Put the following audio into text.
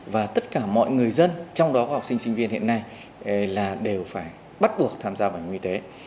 và tất cả mọi người dân trong đó có học sinh sinh viên hiện nay là đều phải bắt buộc tham gia bảo hiểm y tế